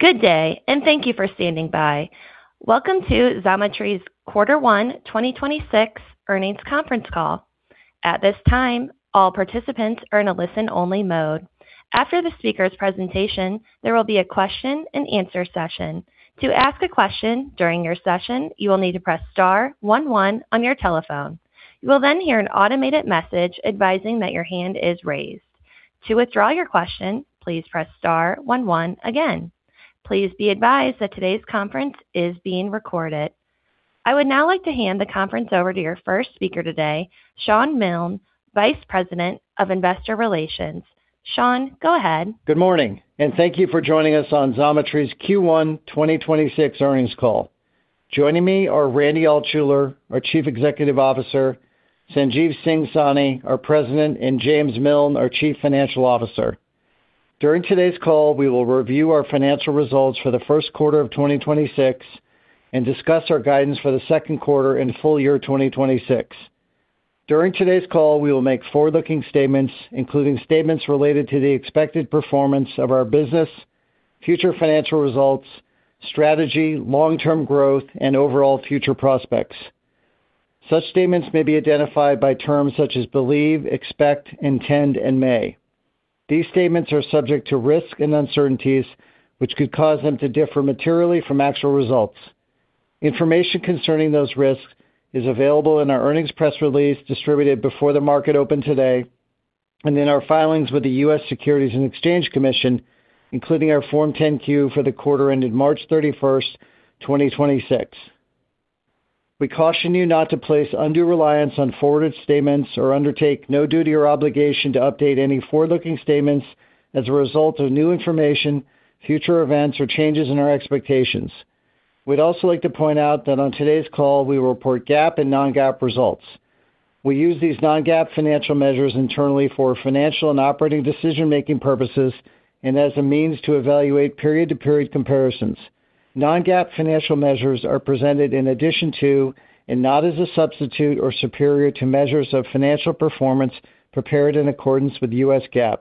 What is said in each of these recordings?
Good day, and thank you for standing by. Welcome to Xometry's Q1 2026 earnings conference call. At this time, all participants are in a listen-only mode. After the speaker's presentation, there will be a question-and-answer session. Please be advised that today's conference is being recorded. I would now like to hand the conference over to your first speaker today, Shawn Milne, Vice President of Investor Relations. Shawn, go ahead. Good morning, and thank you for joining us on Xometry's Q1 2026 earnings call. Joining me are Randy Altschuler, our Chief Executive Officer, Sanjeev Singh Sahni, our President, and James Miln, our Chief Financial Officer. During today's call, we will review our financial results for the first quarter of 2026 and discuss our guidance for the second quarter and full year 2026. During today's call, we will make forward-looking statements, including statements related to the expected performance of our business, future financial results, strategy, long-term growth, and overall future prospects. Such statements may be identified by terms such as believe, expect, intend, and may. These statements are subject to risks and uncertainties which could cause them to differ materially from actual results. Information concerning those risks is available in our earnings press release distributed before the market opened today and in our filings with the U.S. Securities and Exchange Commission, including our Form 10-Q for the quarter ended March 31st, 2026. We caution you not to place undue reliance on forward-looking statements or undertake no duty or obligation to update any forward-looking statements as a result of new information, future events, or changes in our expectations. We'd also like to point out that on today's call, we will report GAAP and non-GAAP results. We use these non-GAAP financial measures internally for financial and operating decision-making purposes and as a means to evaluate period-to-period comparisons. Non-GAAP financial measures are presented in addition to, and not as a substitute or superior to, measures of financial performance prepared in accordance with U.S. GAAP.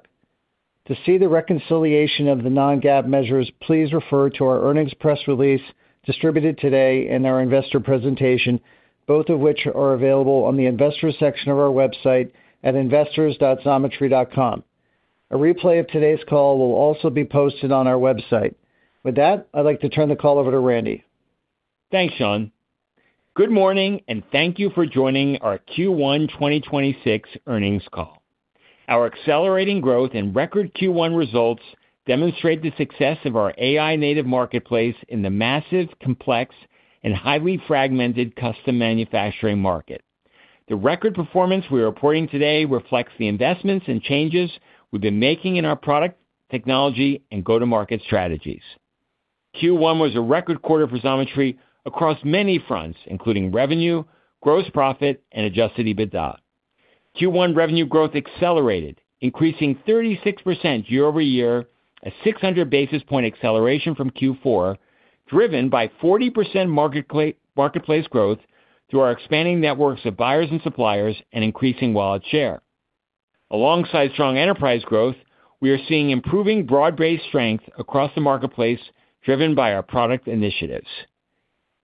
To see the reconciliation of the non-GAAP measures, please refer to our earnings press release distributed today and our investor presentation, both of which are available on the investors section of our website at investors.xometry.com. A replay of today's call will also be posted on our website. With that, I'd like to turn the call over to Randy. Thanks, Shawn. Good morning. Thank you for joining our Q1 2026 earnings call. Our accelerating growth and record Q1 results demonstrate the success of our AI-native marketplace in the massive, complex, and highly fragmented custom manufacturing market. The record performance we are reporting today reflects the investments and changes we've been making in our product, technology, and go-to-market strategies. Q1 was a record quarter for Xometry across many fronts, including revenue, gross profit, and adjusted EBITDA. Q1 revenue growth accelerated, increasing 36% year-over-year at 600 basis point acceleration from Q4, driven by 40% marketplace growth through our expanding networks of buyers and suppliers and increasing wallet share. Alongside strong enterprise growth, we are seeing improving broad-based strength across the marketplace, driven by our product initiatives.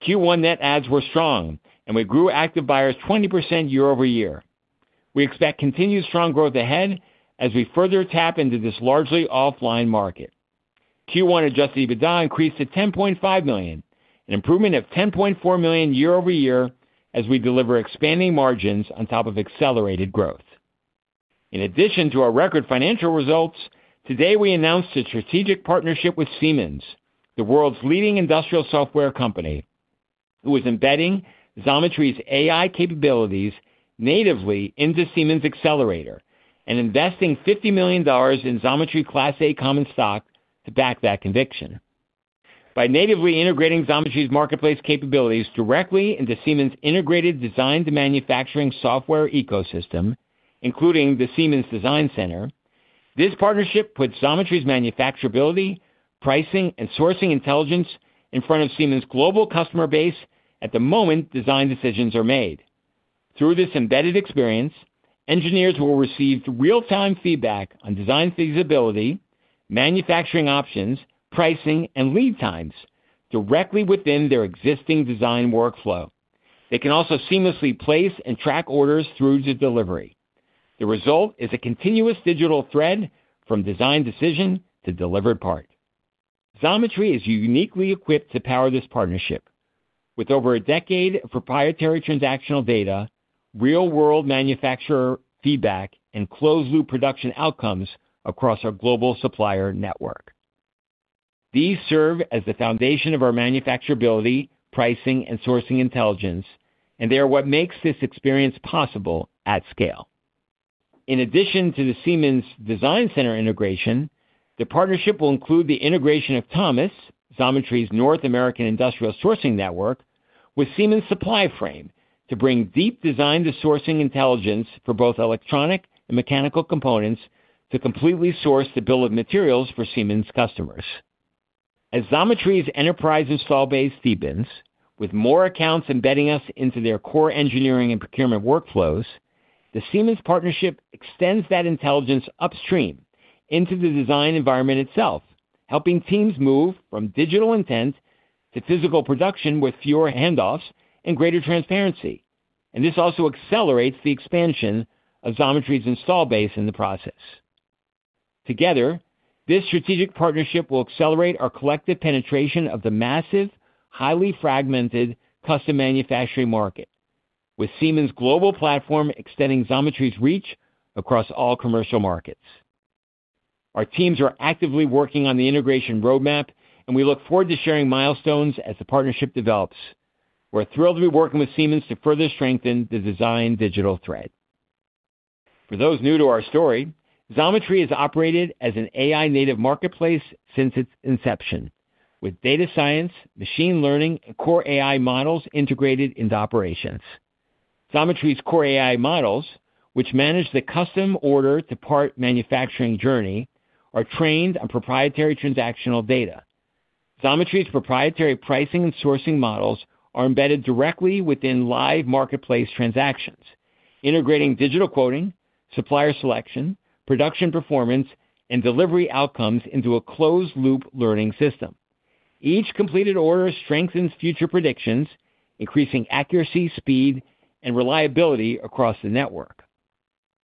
Q1 net adds were strong. We grew active buyers 20% year-over-year. We expect continued strong growth ahead as we further tap into this largely offline market. Q1 adjusted EBITDA increased to $10.5 million, an improvement of $10.4 million year-over-year as we deliver expanding margins on top of accelerated growth. In addition to our record financial results, today we announced a strategic partnership with Siemens, the world's leading industrial software company, who is embedding Xometry's AI capabilities natively into Siemens Xcelerator and investing $50 million in Xometry Class A common stock to back that conviction. By natively integrating Xometry's marketplace capabilities directly into Siemens' integrated design-to-manufacturing software ecosystem, including the Siemens Designcenter, this partnership puts Xometry's manufacturability, pricing, and sourcing intelligence in front of Siemens' global customer base at the moment design decisions are made. Through this embedded experience, engineers will receive real-time feedback on design feasibility, manufacturing options, pricing, and lead times directly within their existing design workflow. They can also seamlessly place and track orders through to delivery. The result is a continuous digital thread from design decision to delivered part. Xometry is uniquely equipped to power this partnership with over a decade of proprietary transactional data, real-world manufacturer feedback, and closed-loop production outcomes across our global supplier network. These serve as the foundation of our manufacturability, pricing, and sourcing intelligence, and they are what makes this experience possible at scale. In addition to the Siemens Designcenter integration, the partnership will include the integration of Thomas, Xometry's North American industrial sourcing network, with Siemens' Supplyframe to bring deep design-to-sourcing intelligence for both electronic and mechanical components to completely source the bill of materials for Siemens customers. As Xometry's enterprise install base deepens, with more accounts embedding us into their core engineering and procurement workflows. The Siemens partnership extends that intelligence upstream into the design environment itself, helping teams move from digital intent to physical production with fewer handoffs and greater transparency. This also accelerates the expansion of Xometry's install base in the process. Together, this strategic partnership will accelerate our collective penetration of the massive, highly fragmented custom manufacturing market, with Siemens global platform extending Xometry's reach across all commercial markets. Our teams are actively working on the integration roadmap. We look forward to sharing milestones as the partnership develops. We're thrilled to be working with Siemens to further strengthen the design digital thread. For those new to our story, Xometry has operated as an AI-native marketplace since its inception, with data science, machine learning, and core AI models integrated into operations. Xometry's core AI models, which manage the custom order to part manufacturing journey, are trained on proprietary transactional data. Xometry's proprietary pricing and sourcing models are embedded directly within live marketplace transactions, integrating digital quoting, supplier selection, production performance, and delivery outcomes into a closed-loop learning system. Each completed order strengthens future predictions, increasing accuracy, speed, and reliability across the network.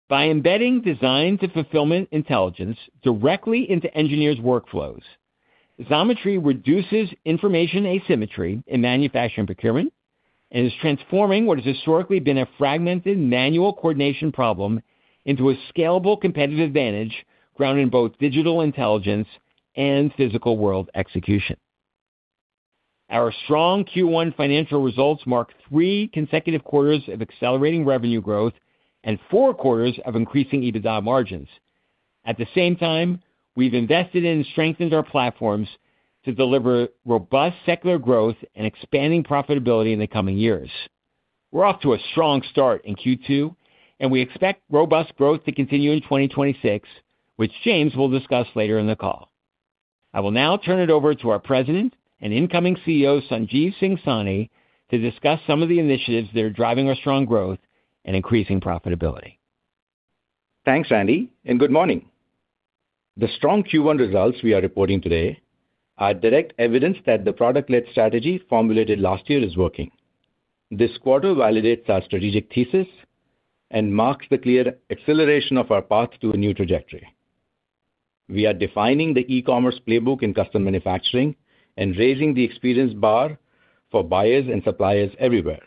By embedding design-to-fulfillment intelligence directly into engineers' workflows, Xometry reduces information asymmetry in manufacturing procurement and is transforming what has historically been a fragmented manual coordination problem into a scalable competitive advantage grounded in both digital intelligence and physical world execution. Our strong Q1 financial results mark three consecutive quarters of accelerating revenue growth and four quarters of increasing EBITDA margins. At the same time, we've invested and strengthened our platforms to deliver robust secular growth and expanding profitability in the coming years. We're off to a strong start in Q2, and we expect robust growth to continue in 2026, which James will discuss later in the call. I will now turn it over to our President and incoming CEO, Sanjeev Singh Sahni, to discuss some of the initiatives that are driving our strong growth and increasing profitability. Thanks, Randy. Good morning. The strong Q1 results we are reporting today are direct evidence that the product-led strategy formulated last year is working. This quarter validates our strategic thesis and marks the clear acceleration of our path to a new trajectory. We are defining the e-commerce playbook in custom manufacturing and raising the experience bar for buyers and suppliers everywhere.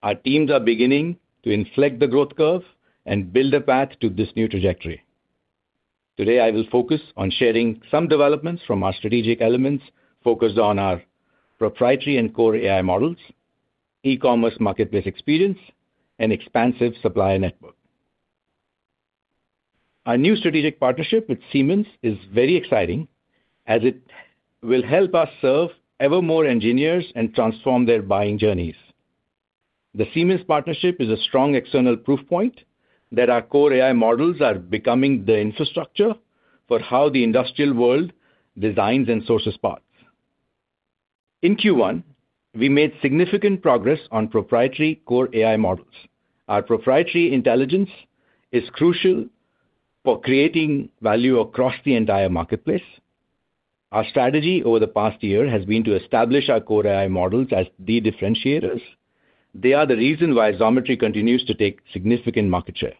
Our teams are beginning to inflect the growth curve and build a path to this new trajectory. Today, I will focus on sharing some developments from our strategic elements focused on our proprietary and core AI models, e-commerce marketplace experience, and expansive supplier network. Our new strategic partnership with Siemens is very exciting as it will help us serve ever more engineers and transform their buying journeys. The Siemens partnership is a strong external proof point that our core AI models are becoming the infrastructure for how the industrial world designs and sources parts. In Q1, we made significant progress on proprietary core AI models. Our proprietary intelligence is crucial for creating value across the entire marketplace. Our strategy over the past year has been to establish our core AI models as the differentiators. They are the reason why Xometry continues to take significant market share.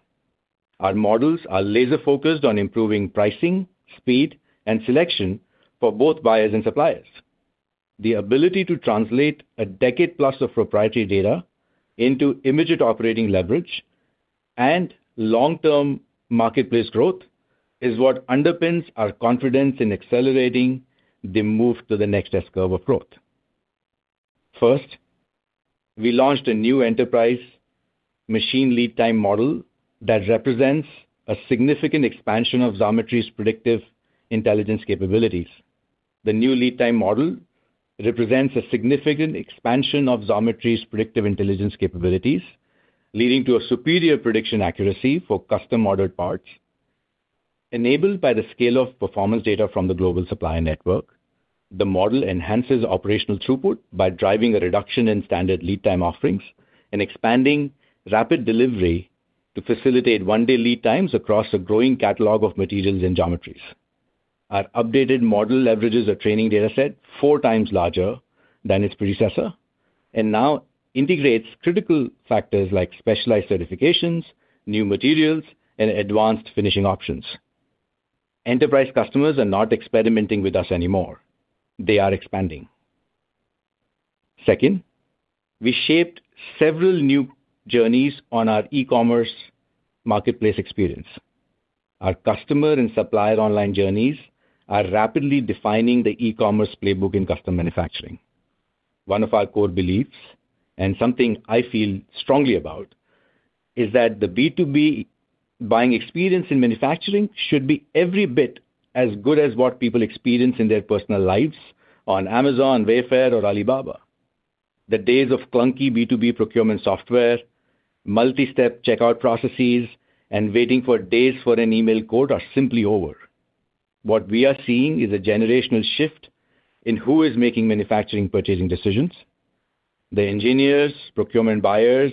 Our models are laser-focused on improving pricing, speed, and selection for both buyers and suppliers. The ability to translate a decade plus of proprietary data into immediate operating leverage and long-term marketplace growth is what underpins our confidence in accelerating the move to the next S-curve of growth. First, we launched a new enterprise machine lead time model that represents a significant expansion of Xometry's predictive intelligence capabilities. The new lead time model represents a significant expansion of Xometry's predictive intelligence capabilities, leading to a superior prediction accuracy for custom-ordered parts. Enabled by the scale of performance data from the global supplier network, the model enhances operational throughput by driving a reduction in standard lead time offerings and expanding rapid delivery to facilitate one-day lead times across a growing catalog of materials and geometries. Our updated model leverages a training dataset four times larger than its predecessor and now integrates critical factors like specialized certifications, new materials, and advanced finishing options. Enterprise customers are not experimenting with us anymore. They are expanding. Second, we shaped several new journeys on our e-commerce marketplace experience. Our customer and supplier online journeys are rapidly defining the e-commerce playbook in custom manufacturing. One of our core beliefs, and something I feel strongly about, is that the B2B buying experience in manufacturing should be every bit as good as what people experience in their personal lives on Amazon, Wayfair, or Alibaba. The days of clunky B2B procurement software, multi-step checkout processes, and waiting for days for an email quote are simply over. What we are seeing is a generational shift in who is making manufacturing purchasing decisions. The engineers, procurement buyers,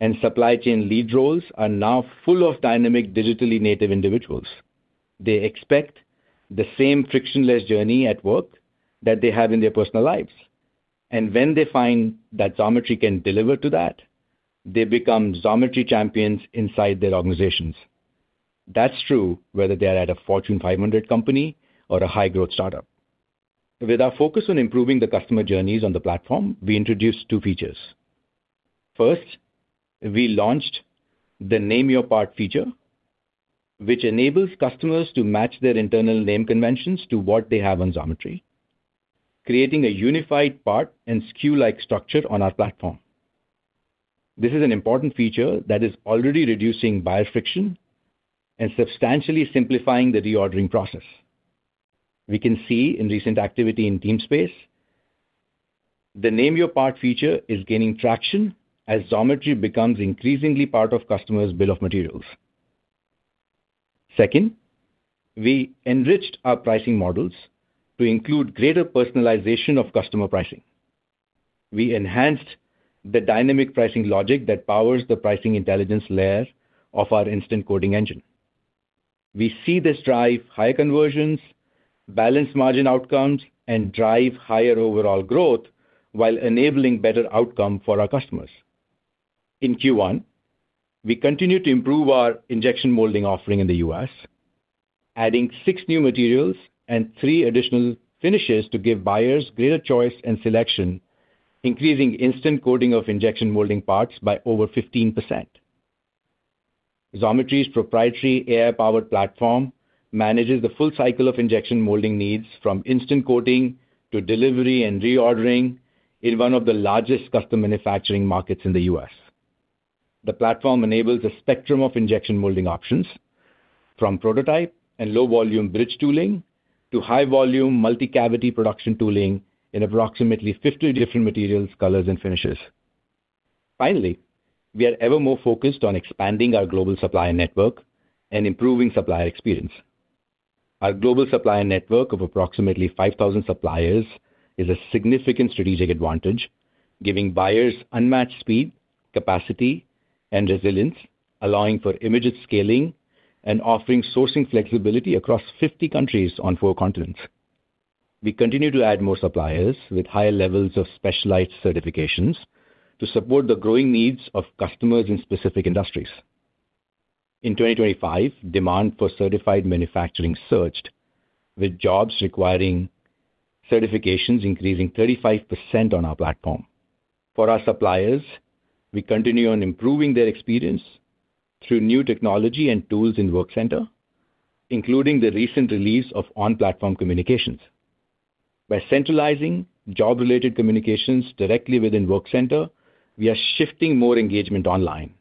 and supply chain lead roles are now full of dynamic digitally native individuals. They expect the same frictionless journey at work that they have in their personal lives. When they find that Xometry can deliver to that, they become Xometry champions inside their organizations. That's true whether they're at a Fortune 500 company or a high-growth startup. With our focus on improving the customer journeys on the platform, we introduced two features. First, we launched the Name Your Part feature, which enables customers to match their internal name conventions to what they have on Xometry, creating a unified part and SKU-like structure on our platform. This is an important feature that is already reducing buyer friction and substantially simplifying the reordering process. We can see in recent activity in Teamspace, the Name Your Part feature is gaining traction as Xometry becomes increasingly part of customers' bill of materials. Second, we enriched our pricing models to include greater personalization of customer pricing. We enhanced the dynamic pricing logic that powers the pricing intelligence layer of our Instant Quoting Engine. We see this drive higher conversions, balance margin outcomes, and drive higher overall growth while enabling better outcome for our customers. In Q1, we continued to improve our injection molding offering in the U.S., adding six new materials and three additional finishes to give buyers greater choice and selection, increasing instant quoting of injection molding parts by over 15%. Xometry's proprietary AI-powered platform manages the full cycle of injection molding needs from instant quoting to delivery and reordering in one of the largest custom manufacturing markets in the U.S. The platform enables a spectrum of injection molding options from prototype and low-volume bridge tooling to high-volume multi-cavity production tooling in approximately 50 different materials, colors, and finishes. Finally, we are ever more focused on expanding our global supplier network and improving supplier experience. Our global supplier network of approximately 5,000 suppliers is a significant strategic advantage, giving buyers unmatched speed, capacity, and resilience, allowing for image scaling and offering sourcing flexibility across 50 countries on four continents. We continue to add more suppliers with higher levels of specialized certifications to support the growing needs of customers in specific industries. In 2025, demand for certified manufacturing surged, with jobs requiring certifications increasing 35% on our platform. For our suppliers, we continue on improving their experience through new technology and tools in Workcenter, including the recent release of on-platform communications. By centralizing job-related communications directly within Workcenter, we are shifting more engagement online,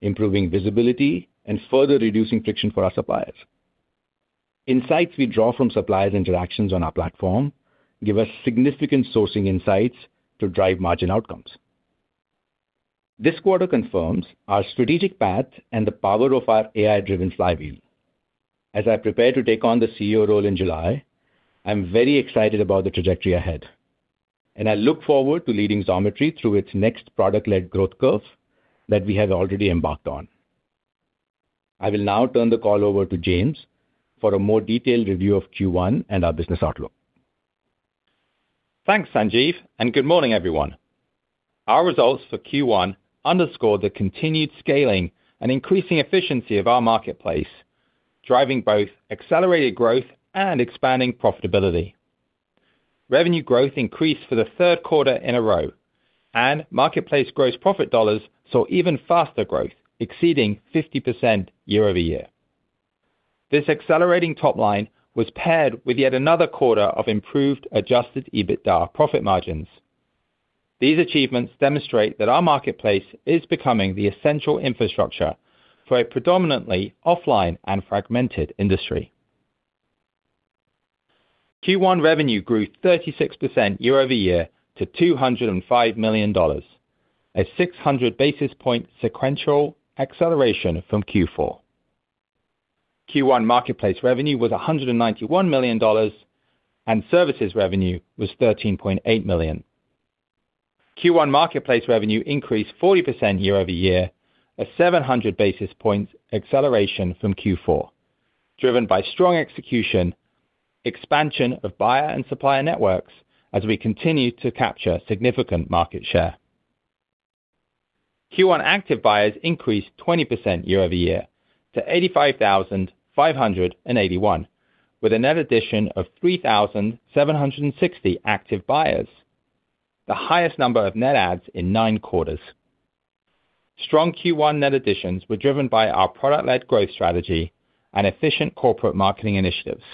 improving visibility, and further reducing friction for our suppliers. Insights we draw from suppliers' interactions on our platform give us significant sourcing insights to drive margin outcomes. This quarter confirms our strategic path and the power of our AI-driven flywheel. As I prepare to take on the CEO role in July, I am very excited about the trajectory ahead, and I look forward to leading Xometry through its next product-led growth curve that we have already embarked on. I will now turn the call over to James for a more detailed review of Q1 and our business outlook. Thanks, Sanjeev. Good morning, everyone. Our results for Q1 underscore the continued scaling and increasing efficiency of our marketplace, driving both accelerated growth and expanding profitability. Revenue growth increased for the third quarter in a row. Marketplace gross profit dollars saw even faster growth, exceeding 50% year over year. This accelerating top line was paired with yet another quarter of improved adjusted EBITDA profit margins. These achievements demonstrate that our marketplace is becoming the essential infrastructure for a predominantly offline and fragmented industry. Q1 revenue grew 36% year over year to $205 million, a 600 basis point sequential acceleration from Q4. Q1 marketplace revenue was $191 million. Services revenue was $13.8 million. Q1 marketplace revenue increased 40% year-over-year, a 700 basis points acceleration from Q4, driven by strong execution, expansion of buyer and supplier networks as we continue to capture significant market share. Q1 active buyers increased 20% year-over-year to 85,581, with a net addition of 3,760 active buyers, the highest number of net adds in nine quarters. Strong Q1 net additions were driven by our product-led growth strategy and efficient corporate marketing initiatives.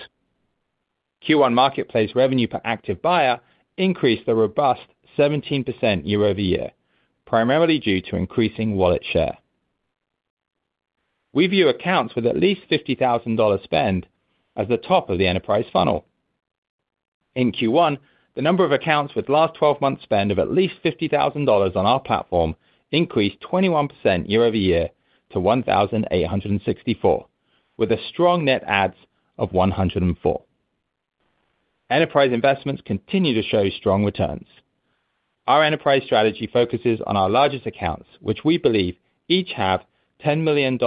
Q1 marketplace revenue per active buyer increased a robust 17% year-over-year, primarily due to increasing wallet share. We view accounts with at least $50,000 spend as the top of the enterprise funnel. In Q1, the number of accounts with last 12-month spend of at least $50,000 on our platform increased 21% year-over-year to 1,864, with a strong net adds of 104. Enterprise investments continue to show strong returns. Our enterprise strategy focuses on our largest accounts, which we believe each have $10 million+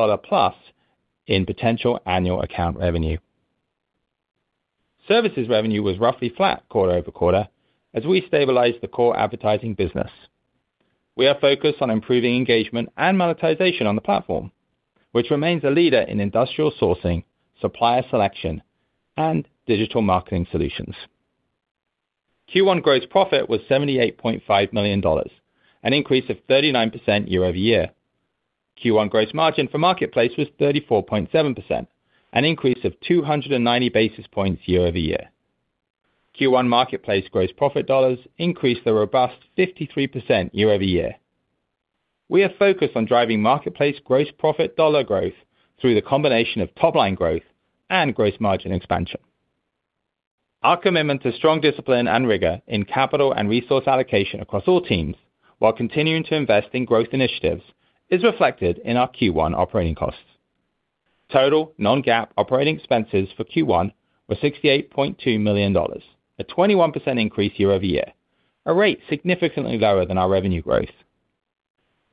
in potential annual account revenue. Services revenue was roughly flat quarter-over-quarter as we stabilized the core advertising business. We are focused on improving engagement and monetization on the platform, which remains a leader in industrial sourcing, supplier selection, and digital marketing solutions. Q1 gross profit was $78.5 million, an increase of 39% year-over-year. Q1 gross margin for marketplace was 34.7%, an increase of 290 basis points year-over-year. Q1 marketplace gross profit dollars increased a robust 53% year-over-year. We are focused on driving marketplace gross profit dollar growth through the combination of top-line growth and gross margin expansion. Our commitment to strong discipline and rigor in capital and resource allocation across all teams, while continuing to invest in growth initiatives, is reflected in our Q1 operating costs. Total non-GAAP operating expenses for Q1 were $68.2 million, a 21% increase year-over-year, a rate significantly lower than our revenue growth.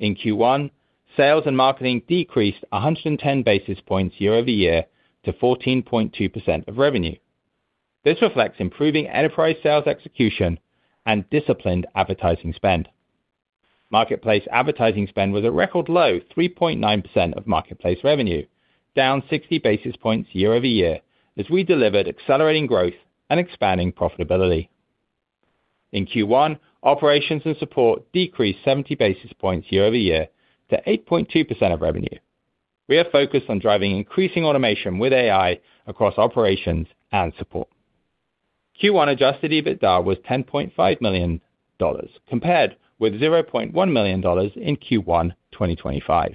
In Q1, sales and marketing decreased 110 basis points year-over-year to 14.2% of revenue. This reflects improving enterprise sales execution and disciplined advertising spend. Marketplace advertising spend was a record low 3.9% of marketplace revenue, down 60 basis points year-over-year as we delivered accelerating growth and expanding profitability. In Q1, operations and support decreased 70 basis points year-over-year to 8.2% of revenue. We are focused on driving increasing automation with AI across operations and support. Q1 adjusted EBITDA was $10.5 million, compared with $0.1 million in Q1 2025.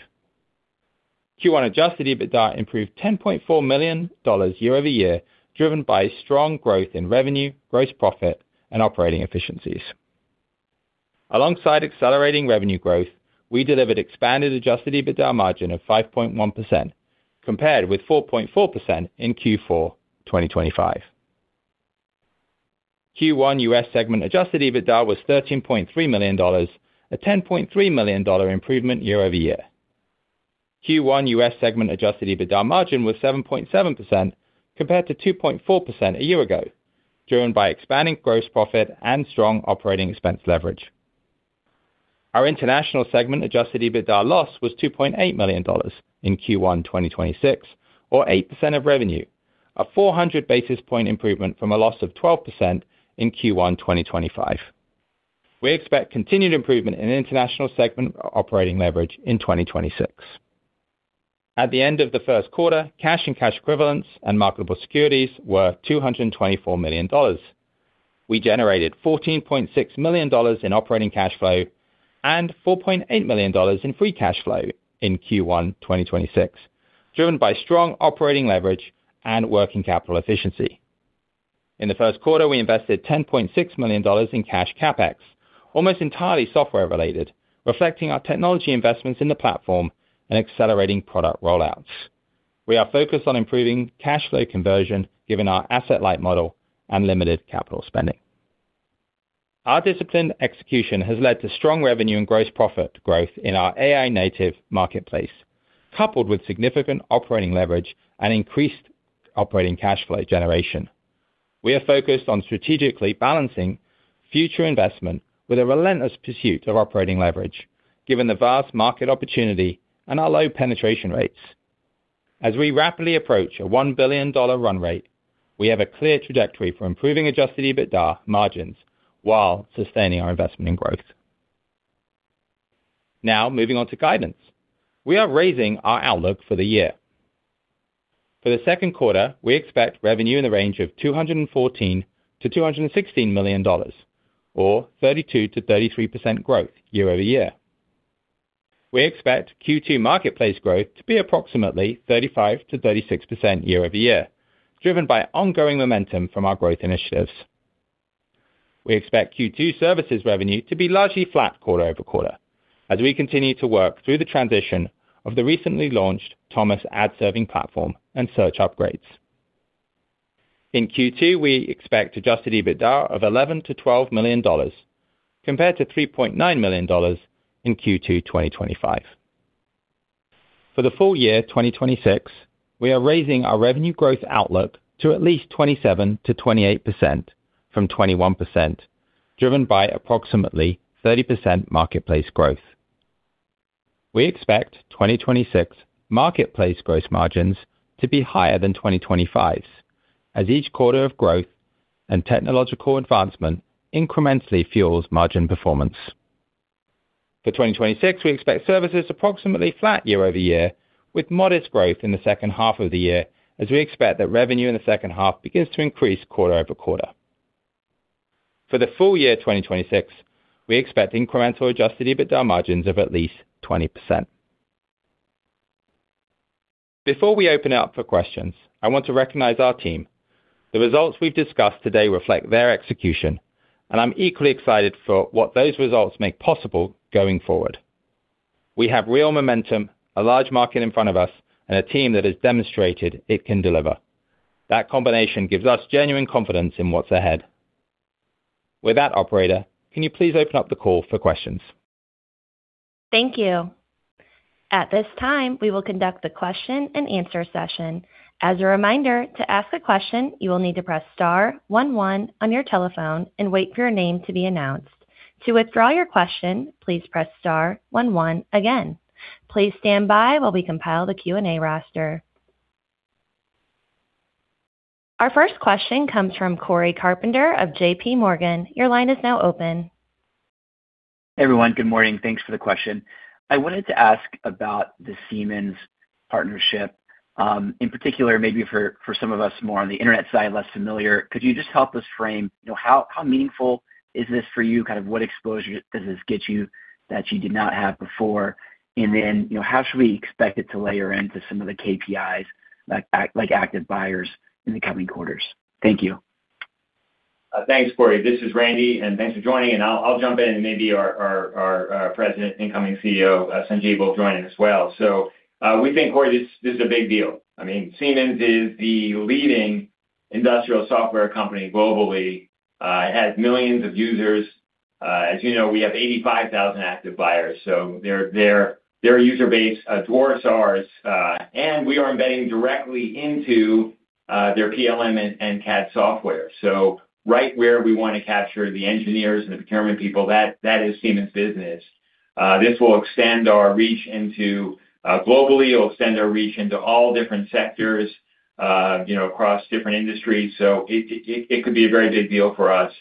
Q1 adjusted EBITDA improved $10.4 million year-over-year, driven by strong growth in revenue, gross profit, and operating efficiencies. Alongside accelerating revenue growth, we delivered expanded adjusted EBITDA margin of 5.1%, compared with 4.4% in Q4 2025. Q1 U.S. segment adjusted EBITDA was $13.3 million, a $10.3 million improvement year-over-year. Q1 U.S. segment adjusted EBITDA margin was 7.7% compared to 2.4% a year ago, driven by expanding gross profit and strong operating expense leverage. Our international segment adjusted EBITDA loss was $2.8 million in Q1 2026 or 8% of revenue, a 400 basis point improvement from a loss of 12% in Q1 2025. We expect continued improvement in international segment operating leverage in 2026. At the end of the first quarter, cash and cash equivalents and marketable securities were $224 million. We generated $14.6 million in operating cash flow and $4.8 million in free cash flow in Q1 2026, driven by strong operating leverage and working capital efficiency. In the first quarter, we invested $10.6 million in cash CapEx, almost entirely software-related, reflecting our technology investments in the platform and accelerating product rollouts. We are focused on improving cash flow conversion given our asset-light model and limited capital spending. Our disciplined execution has led to strong revenue and gross profit growth in our AI-native marketplace, coupled with significant operating leverage and increased operating cash flow generation. We are focused on strategically balancing future investment with a relentless pursuit of operating leverage, given the vast market opportunity and our low penetration rates. As we rapidly approach a $1 billion run rate, we have a clear trajectory for improving adjusted EBITDA margins while sustaining our investment in growth. Moving on to guidance. We are raising our outlook for the year. For the second quarter, we expect revenue in the range of $214 million-$216 million, or 32%-33% growth year-over-year. We expect Q2 marketplace growth to be approximately 35%-36% year-over-year, driven by ongoing momentum from our growth initiatives. We expect Q2 services revenue to be largely flat quarter-over-quarter as we continue to work through the transition of the recently launched Thomas ad serving platform and search upgrades. In Q2, we expect adjusted EBITDA of $11 million-$12 million compared to $3.9 million in Q2 2025. For the full year 2026, we are raising our revenue growth outlook to at least 27%-28% from 21%, driven by approximately 30% marketplace growth. We expect 2026 marketplace gross margins to be higher than 2025's, as each quarter of growth and technological advancement incrementally fuels margin performance. For 2026, we expect services approximately flat year-over-year with modest growth in the second half of the year as we expect that revenue in the second half begins to increase quarter-over-quarter. For the full year 2026, we expect incremental adjusted EBITDA margins of at least 20%. Before we open up for questions, I want to recognize our team. The results we've discussed today reflect their execution, and I'm equally excited for what those results make possible going forward. We have real momentum, a large market in front of us, and a team that has demonstrated it can deliver. That combination gives us genuine confidence in what's ahead. With that, operator, can you please open up the call for questions? Thank you. At this time, we will conduct the question and answer session. Our first question comes from Cory Carpenter of JPMorgan. Your line is now open. Hey, everyone. Good morning. Thanks for the question. I wanted to ask about the Siemens partnership, in particular, maybe for some of us more on the internet side, less familiar, could you just help us frame, you know, how meaningful is this for you? Kind of what exposure does this get you that you did not have before? You know, how should we expect it to layer into some of the KPIs, like active buyers in the coming quarters? Thank you. Thanks, Cory. This is Randy, thanks for joining. I'll jump in, maybe our president, incoming CEO, Sanjeev will join in as well. We think, Cory, this is a big deal. I mean, Siemens is the leading industrial software company globally. It has millions of users. As you know, we have 85,000 active buyers, their user base dwarfs ours. We are embedding directly into their PLM and CAD software. Right where we wanna capture the engineers and the procurement people, that is Siemens' business. This will extend our reach into globally. It will extend our reach into all different sectors, you know, across different industries. It could be a very big deal for us.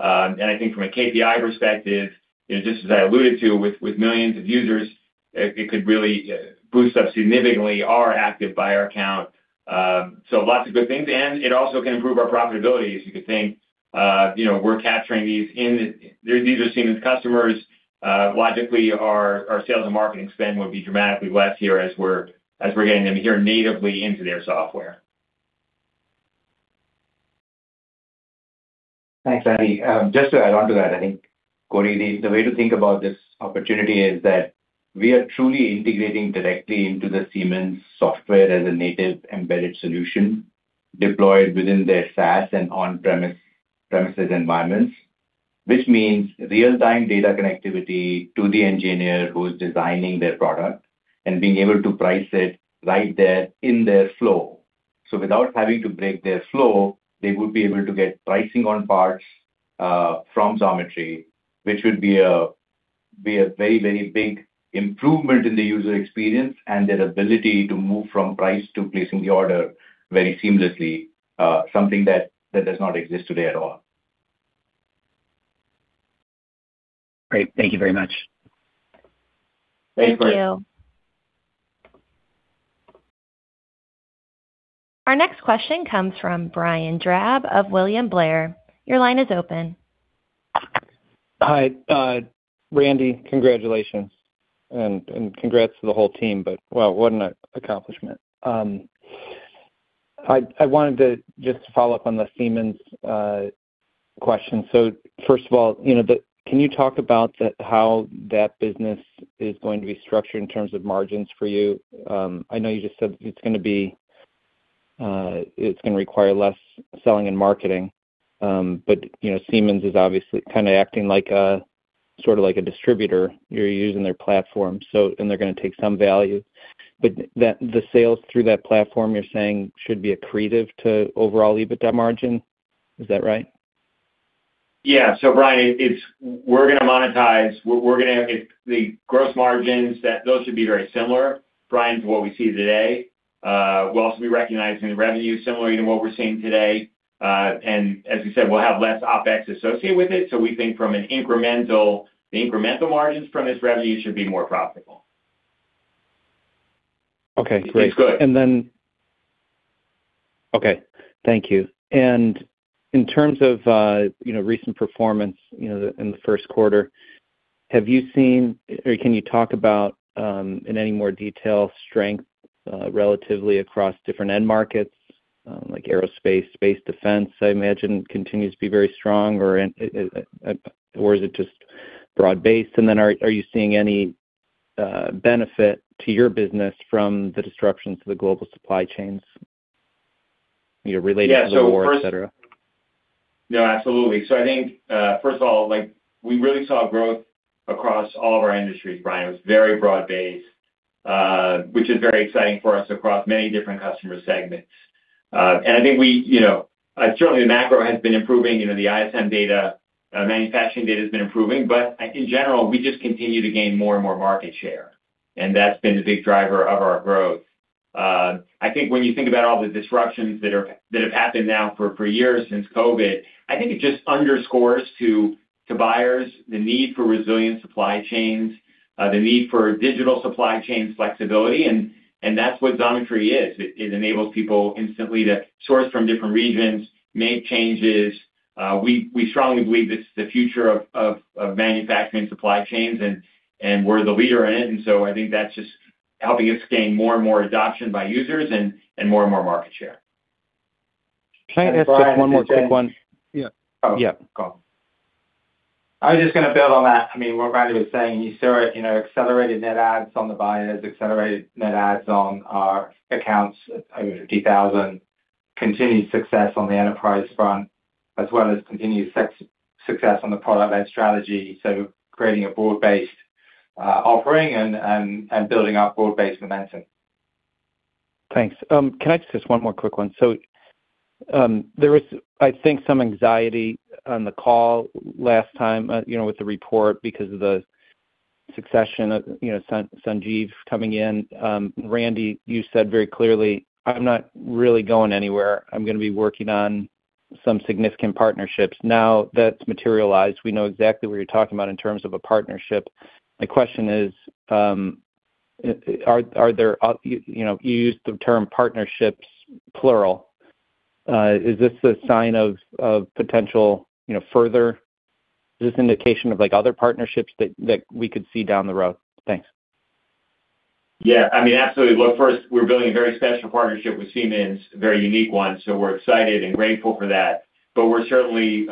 I think from a KPI perspective, you know, just as I alluded to with millions of users, it could really boost up significantly our active buyer count. Lots of good things. It also can improve our profitability, as you could think. You know, we're capturing these. These are Siemens customers. Logically, our sales and marketing spend would be dramatically less here as we're getting them here natively into their software. Thanks, Randy. Just to add onto that, I think, Cory, the way to think about this opportunity is that we are truly integrating directly into the Siemens software as a native embedded solution deployed within their SaaS and on-premise, premises environments, which means real-time data connectivity to the engineer who's designing their product and being able to price it right there in their flow. Without having to break their flow, they would be able to get pricing on parts from Xometry, which would be a, be a very, very big improvement in the user experience and their ability to move from price to placing the order very seamlessly. Something that does not exist today at all. Great. Thank you very much. Thanks, Cory. Thank you. Our next question comes from Brian Drab of William Blair. Your line is open. Hi. Randy, congratulations and congrats to the whole team, wow, what an accomplishment. I wanted to just follow up on the Siemens question. First of all, you know, can you talk about how that business is going to be structured in terms of margins for you? I know you just said it's gonna be, it's gonna require less selling and marketing, you know, Siemens is obviously kind of acting like a, sort of like a distributor. You're using their platform, they're gonna take some value. The sales through that platform, you're saying should be accretive to overall EBITDA margin. Is that right? Yeah. Brian, the gross margins, that those should be very similar, Brian, to what we see today. We'll also be recognizing revenue similar to what we're seeing today. As you said, we'll have less OPEX associated with it. We think the incremental margins from this revenue should be more profitable. Okay, great. It's good. Okay, thank you. In terms of, you know, recent performance, you know, in the first quarter, have you seen or can you talk about in any more detail strength relatively across different end markets, like aerospace, space, defense, I imagine continues to be very strong or is it just broad-based? Are you seeing any benefit to your business from the disruptions to the global supply chains, you know, related to the war, et cetera? Yeah. Absolutely. I think, first of all, like we really saw growth across all of our industries, Brian. It was very broad-based, which is very exciting for us across many different customer segments. I think we, you know, certainly the macro has been improving. You know, the ISM data, manufacturing data has been improving. In general, we just continue to gain more and more market share, and that's been the big driver of our growth. I think when you think about all the disruptions that have happened now for years since COVID, I think it just underscores to buyers the need for resilient supply chains, the need for digital supply chain flexibility and that's what Xometry is. It enables people instantly to source from different regions, make changes. We strongly believe this is the future of manufacturing supply chains, and we're the leader in it. I think that's just helping us gain more and more adoption by users and more and more market share. Can I ask just one more quick one? Yeah. Yeah. Oh, go on. I was just gonna build on that. I mean, what Randy was saying, you saw it, you know, accelerated net adds on the buyers, accelerated net adds on our accounts, over 50,000, continued success on the enterprise front, as well as continued success on the product and strategy. creating a broad-based offering and building our broad-based momentum. Thanks. Can I ask just one more quick one? There was, I think, some anxiety on the call last time, you know, with the report because of the succession of, you know, Sanjeev coming in. Randy, you said very clearly, "I'm not really going anywhere. I'm gonna be working on some significant partnerships." That's materialized. We know exactly what you're talking about in terms of a partnership. My question is, you know, you used the term partnerships, plural. Is this a sign of potential, you know, Is this indication of, like, other partnerships that we could see down the road? Thanks. Yeah, I mean, absolutely. Look, first, we're building a very special partnership with Siemens, a very unique one. We're excited and grateful for that. We're certainly,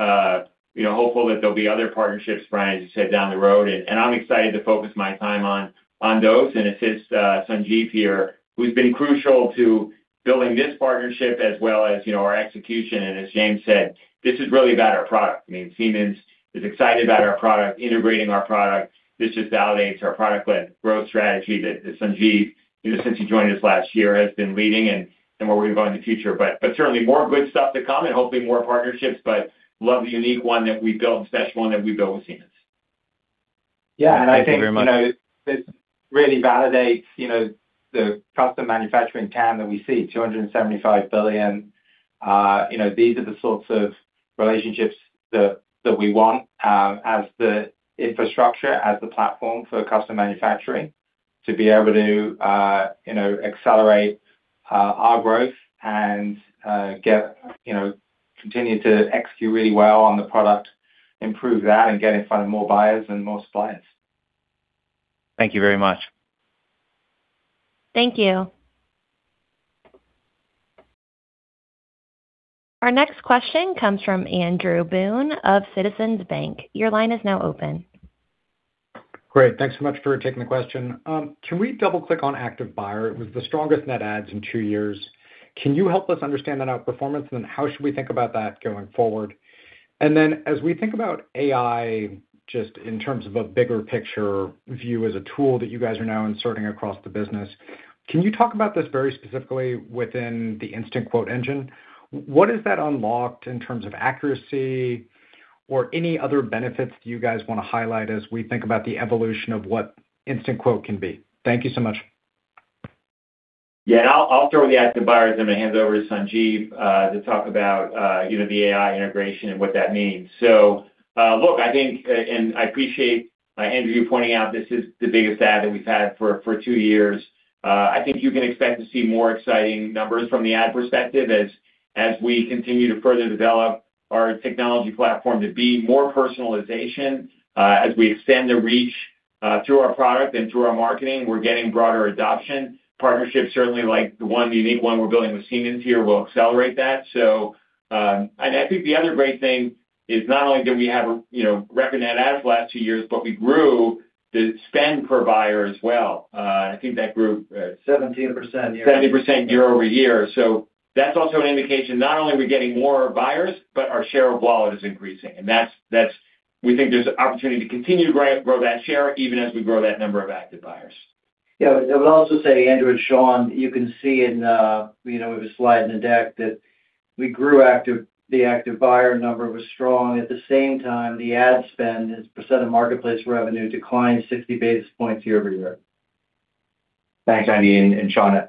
you know, hopeful that there'll be other partnerships, Brian, as you said, down the road. I'm excited to focus my time on those and assist Sanjeev here, who's been crucial to building this partnership as well as, you know, our execution. As James said, this is really about our product. I mean, Siemens is excited about our product, integrating our product. This just validates our product-led growth strategy that Sanjeev, you know, since he joined us last year, has been leading and where we're going in the future. Certainly more good stuff to come and hopefully more partnerships, but love the unique one that we built, the special one that we built with Siemens. Thank you very much. I think, you know, this really validates, you know, the custom manufacturing TAM that we see, $275 billion. You know, these are the sorts of relationships that we want, as the infrastructure, as the platform for custom manufacturing to be able to, you know, accelerate our growth and get, you know, continue to execute really well on the product, improve that, and get in front of more buyers and more suppliers. Thank you very much. Thank you. Our next question comes from Andrew Boone of JMP Securities. Your line is now open. Great. Thanks so much for taking the question. Can we double-click on active buyer? It was the strongest net adds in 2 years. Can you help us understand that outperformance, how should we think about that going forward? As we think about AI, just in terms of a bigger picture view as a tool that you guys are now inserting across the business, can you talk about this very specifically within the Instant Quoting Engine? What has that unlocked in terms of accuracy or any other benefits do you guys wanna highlight as we think about the evolution of what Instant Quote can be? Thank you so much. Yeah. I'll throw the active buyers, then I'm gonna hand it over to Sanjeev to talk about, you know, the AI integration and what that means. Look, I think, and I appreciate, Andrew, you pointing out this is the biggest add that we've had for two years. I think you can expect to see more exciting numbers from the ad perspective as we continue to further develop our technology platform to be more personalization. As we extend the reach, through our product and through our marketing, we're getting broader adoption. Partnership certainly like the one, the unique one we're building with Siemens here will accelerate that. I think the other great thing is not only do we have a, you know, record net adds the last two years, but we grew the spend per buyer as well. I think that grew. 17% year over- 17% year-over-year. That's also an indication not only are we getting more buyers, but our share of wallet is increasing. We think there's opportunity to continue to grow that share even as we grow that number of active buyers. Yeah. I would also say, Andrew and Shawn, you can see in, you know, with a slide in the deck that we grew the active buyer number was strong. At the same time, the ad spend as % of marketplace revenue declined 60 basis points year-over-year. Thanks, Andy. Shawn,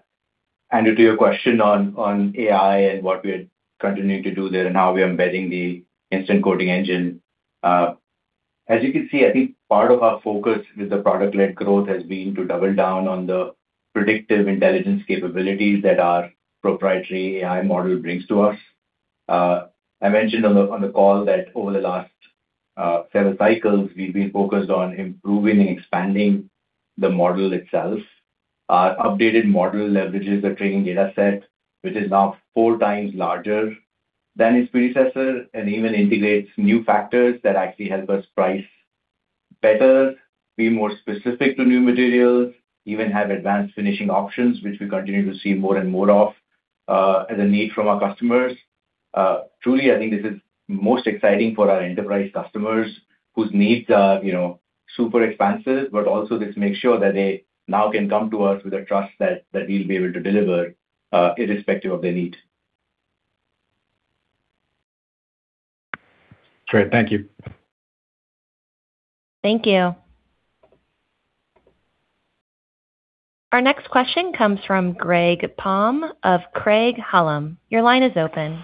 Andrew, to your question on AI and what we're continuing to do there and how we are embedding the Instant Quoting Engine. As you can see, I think part of our focus with the product led growth has been to double down on the predictive intelligence capabilities that our proprietary AI model brings to us. I mentioned on the call that over the last several cycles, we've been focused on improving and expanding the model itself. Our updated model leverages a training data set, which is now four times larger than its predecessor and even integrates new factors that actually help us price better, be more specific to new materials, even have advanced finishing options, which we continue to see more and more of as a need from our customers. Truly, I think this is most exciting for our enterprise customers whose needs are, you know, super expansive, but also this makes sure that they now can come to us with a trust that we'll be able to deliver, irrespective of their need. Great. Thank you. Thank you. Our next question comes from Greg Palm of Craig-Hallum. Your line is open.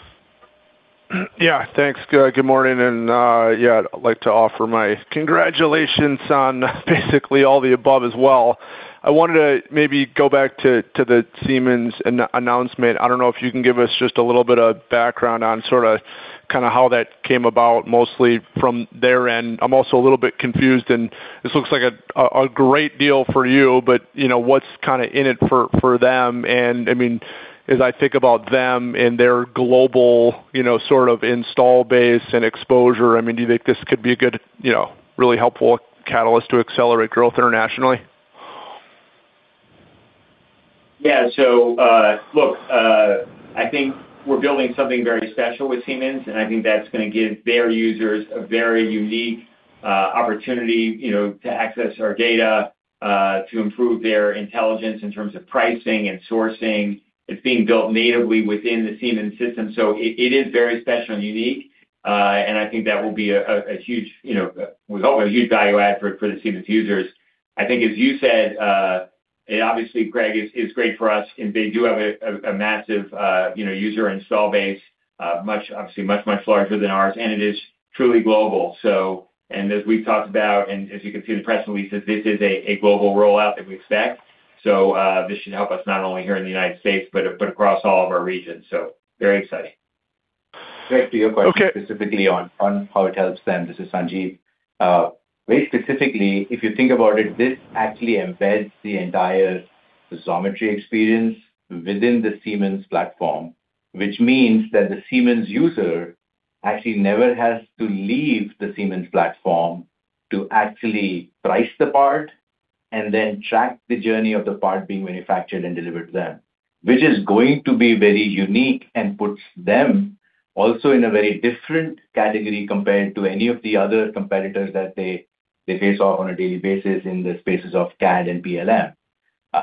Yeah. Thanks. Good morning, yeah, I'd like to offer my congratulations on basically all the above as well. I wanted to maybe go back to the Siemens announcement. I don't know if you can give us just a little bit of background on sort of how that came about mostly from their end. I'm also a little bit confused, this looks like a great deal for you, but, you know, what's kind of in it for them? I mean, as I think about them and their global, you know, sort of install base and exposure, I mean, do you think this could be a good, you know, really helpful catalyst to accelerate growth internationally? Yeah. Look, I think we're building something very special with Siemens, and I think that's gonna give their users a very unique opportunity, you know, to access our data, to improve their intelligence in terms of pricing and sourcing. It's being built natively within the Siemens system, so it is very special and unique. I think that will be a huge, you know, we hope a huge value add for the Siemens users. I think as you said, it obviously, Greg, is great for us, and they do have a massive, you know, user install base, obviously much larger than ours, and it is truly global. As we've talked about, and as you can see in the press release, that this is a global rollout that we expect. This should help us not only here in the United States, but across all of our regions. Very exciting. Greg, to your point. Okay. -specifically on how it helps them, this is Sanjeev. Very specifically, if you think about it, this actually embeds the entire Xometry experience within the Siemens platform, which means that the Siemens user actually never has to leave the Siemens platform to actually price the part and then track the journey of the part being manufactured and delivered to them, which is going to be very unique and puts them also in a very different category compared to any of the other competitors that they face off on a daily basis in the spaces of CAD and PLM.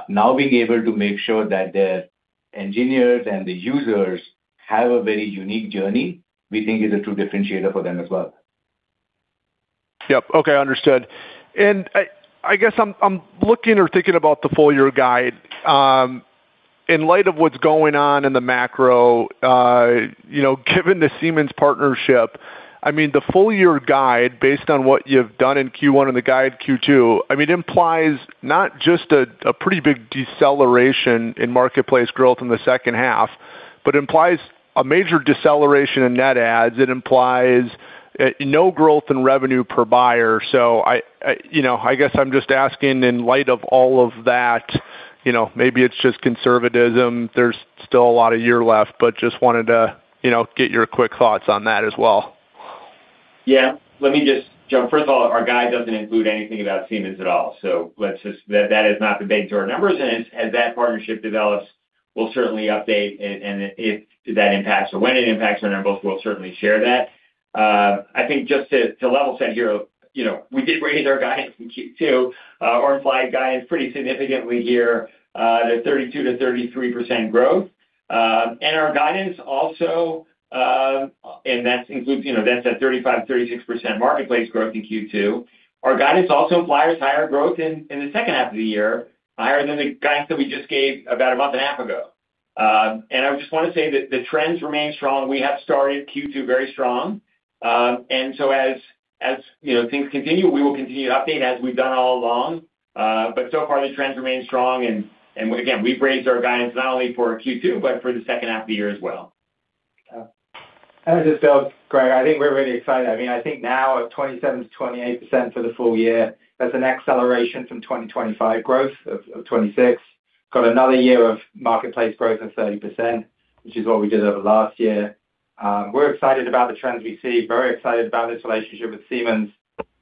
Now being able to make sure that their engineers and the users have a very unique journey, we think is a true differentiator for them as well. Yep. Okay. Understood. I guess I'm looking or thinking about the full year guide. In light of what's going on in the macro, you know, given the Siemens partnership, I mean, the full year guide, based on what you've done in Q1 and the guide Q2, I mean, implies not just a pretty big deceleration in marketplace growth in the second half, but implies a major deceleration in net adds. It implies no growth in revenue per buyer. I, you know, I guess I'm just asking in light of all of that, you know, maybe it's just conservatism. There's still a lot of year left, but just wanted to, you know, get your quick thoughts on that as well. Let me just jump. First of all, our guide doesn't include anything about Siemens at all. That is not baked into our numbers, and as that partnership develops, we'll certainly update and if that impacts or when it impacts our numbers, we'll certainly share that. I think just to level set here, you know, we did raise our guidance in Q2, our implied guidance pretty significantly here, the 32%-33% growth. Our guidance also, and that includes, you know, that's at 35%-36% marketplace growth in Q2. Our guidance also implies higher growth in the second half of the year, higher than the guidance that we just gave about a month and a half ago. I just wanna say that the trends remain strong. We have started Q2 very strong. As you know, things continue, we will continue to update as we've done all along. So far the trends remain strong and again, we've raised our guidance not only for Q2, but for the second half of the year as well. This is James. Greg, I think we're really excited. I mean, I think now at 27%-28% for the full year, that's an acceleration from 25 growth of 26. Got another year of marketplace growth of 30%, which is what we did over last year. We're excited about the trends we see, very excited about this relationship with Siemens.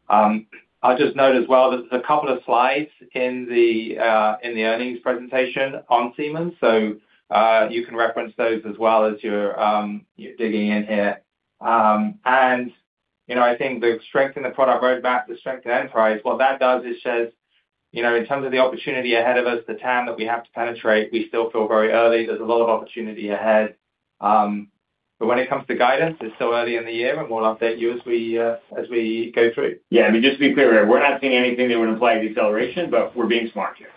I'll just note as well there's a couple of slides in the earnings presentation on Siemens, so you can reference those as well as you're digging in here. You know, I think the strength in the product roadmap, the strength in end price, what that does is says, you know, in terms of the opportunity ahead of us, the TAM that we have to penetrate, we still feel very early. There's a lot of opportunity ahead. When it comes to guidance, it's still early in the year, and we'll update you as we go through. Yeah, I mean, just to be clear, we're not seeing anything that would imply a deceleration, but we're being smart here.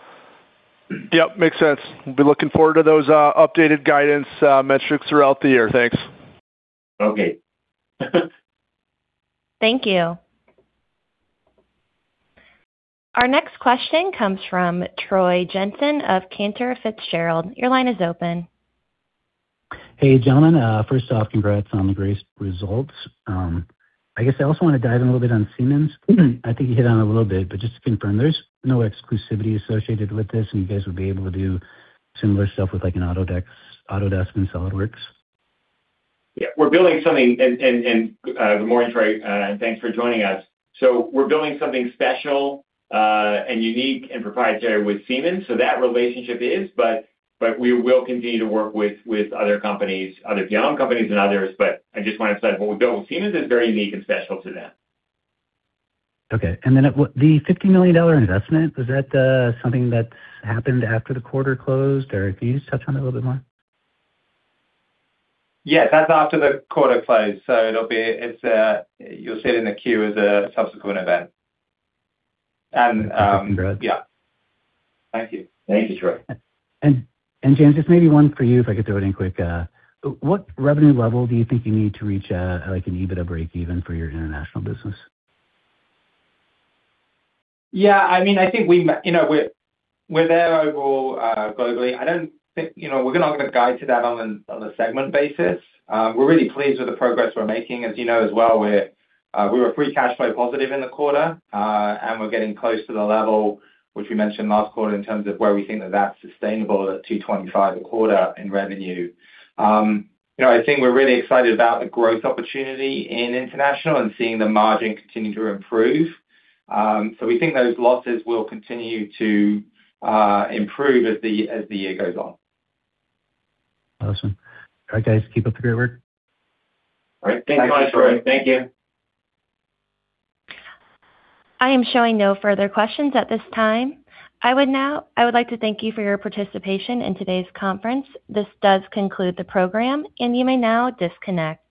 Yep. Makes sense. Be looking forward to those updated guidance metrics throughout the year. Thanks. Okay. Thank you. Our next question comes from Troy Jensen of Cantor Fitzgerald. Your line is open. Hey, gentlemen. First off, congrats on the great results. I guess I also wanna dive in a little bit on Siemens. I think you hit on it a little bit, but just to confirm, there's no exclusivity associated with this, and you guys would be able to do similar stuff with, like, an Autodesk and SOLIDWORKS? Yeah. We're building something and good morning, Troy, and thanks for joining us. We're building something special, unique and proprietary with Siemens. That relationship is, but we will continue to work with other companies, other PLM companies and others. I just wanna emphasize what we build with Siemens is very unique and special to them. Okay. The $50 million investment, was that something that's happened after the quarter closed? Could you just touch on it a little bit more? Yeah, that's after the quarter closed, so it'll be It's, you'll see it in the Q as a subsequent event. That's what I figured. Yeah. Thank you. Thank you, Troy. James, just maybe one for you, if I could throw it in quick. What revenue level do you think you need to reach at, like, an EBITDA breakeven for your international business? Yeah, I mean, I think we, you know, we're there overall, globally. I don't think, you know, we're not gonna guide to that on a, on a segment basis. We're really pleased with the progress we're making. As you know as well, we're, we were free cash flow positive in the quarter, and we're getting close to the level which we mentioned last quarter in terms of where we think that that's sustainable at $225 a quarter in revenue. You know, I think we're really excited about the growth opportunity in international and seeing the margin continue to improve. We think those losses will continue to improve as the year goes on. Awesome. All right, guys, keep up the great work. All right. Thanks a lot, Troy. Thank you. I am showing no further questions at this time. I would like to thank you for your participation in today's conference. This does conclude the program, and you may now disconnect.